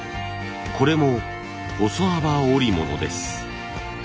これも細幅織物です。